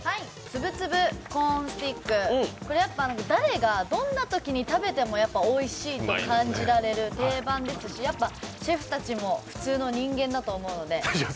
誰がどんなときに食べてもおいしいと感じられる定番ですし、やっぱシェフたちも普通の人間だと思うので。